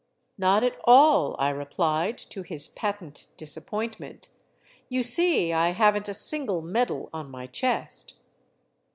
'*" Not at all," I replied, to his patent disappointment. " You see I have n't a single medal on my chest."